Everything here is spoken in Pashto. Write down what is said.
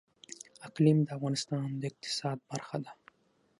اقلیم د افغانستان د اقتصاد برخه ده.